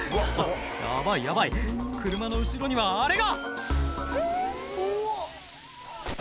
「ヤバいヤバい車の後ろにはあれが！」